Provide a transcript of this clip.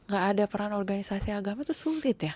gak ada peran organisasi agama itu sulit ya